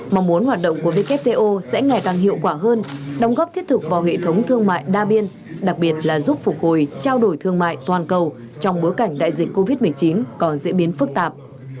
mong muốn hoạt động của wto sẽ ngày càng hiệu quả hơn đồng góp thiết thực vào hệ thống thương mại đa biên đặc biệt là giúp phục hồi trao đổi thương mại toàn cầu trong bối cảnh đại dịch covid một mươi chín còn diễn biến phức tạp